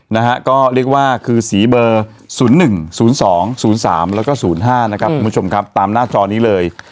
นะฮะก็เรียกว่าคือสีเบอร์๐๑๐๒๐๓แล้วก็๐๕นะครับคุณผู้ชมครับตามหน้าจอนี้เลย